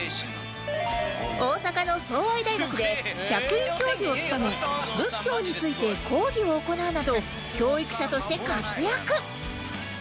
大阪の相愛大学で客員教授を務め仏教について講義を行うなど教育者として活躍